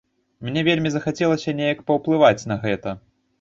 Мне вельмі захацелася неяк паўплываць на гэта.